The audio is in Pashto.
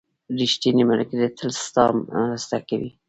• ریښتینی ملګری تل ستا مرسته کوي.